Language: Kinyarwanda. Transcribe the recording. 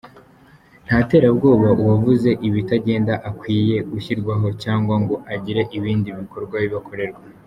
Nta terabwoba uwavuze ibitagenda akwiye gushyirwaho cyangwa ngo agire ibindi bikorwa bibi akorerwa.